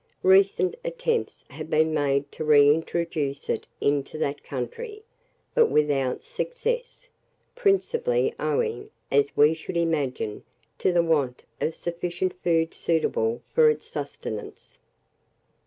Recent attempts have been made to re introduce it into that country, but without success; principally owing, as we should imagine, to the want of sufficient food suitable for its sustenance.